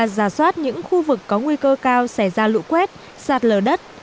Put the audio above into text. giả soát những khu vực có nguy cơ cao xảy ra lũ quét sạt lở đất